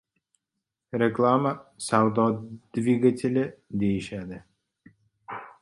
Reklama — savdo dvigateli, deyishadi.